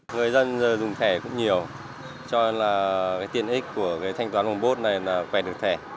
người dân dùng thẻ cũng nhiều cho nên tiền ích của thanh toán bồn bốt này là quẹt được thẻ